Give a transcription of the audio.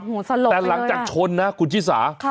สลบแต่หลังจากชนนะคุณชิสา